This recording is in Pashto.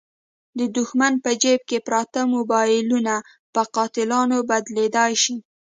د دوښمن په جیب کې پراته موبایلونه په قاتلانو بدلېدلای شي.